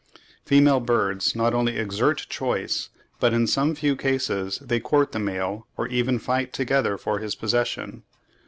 Female birds not only exert a choice, but in some few cases they court the male, or even fight together for his possession.